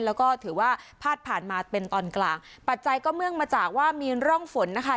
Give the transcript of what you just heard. แล้วก็ถือว่าพาดผ่านมาเป็นตอนกลางปัจจัยก็เนื่องมาจากว่ามีร่องฝนนะคะ